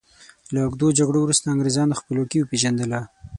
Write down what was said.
له اوږدو جګړو وروسته انګریزانو خپلواکي وپيژندله.